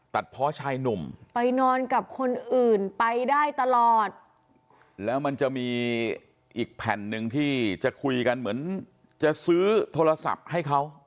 เพาะชายหนุ่มไปนอนกับคนอื่นไปได้ตลอดแล้วมันจะมีอีกแผ่นหนึ่งที่จะคุยกันเหมือนจะซื้อโทรศัพท์ให้เขา